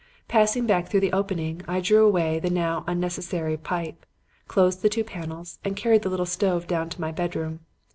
"Passing back through the opening, I drew away the now unnecessary pipe, closed the two panels, and carried the little stove down to my bedroom.